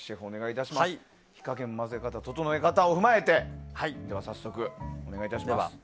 火加減、混ぜ方、整え方を踏まえて早速、お願いいたします。